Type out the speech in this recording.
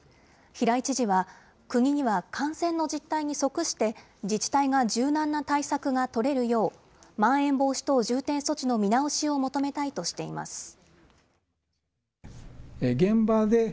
平井知事は、国には感染の実態に即して、自治体が柔軟な対策が取れるよう、まん延防止等重点措置の見直しを求めたいとしています。